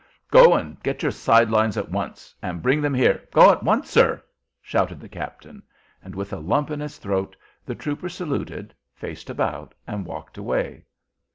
"Go and get your side lines at once and bring them here; go at once, sir," shouted the captain; and with a lump in his throat the trooper saluted, faced about, and walked away.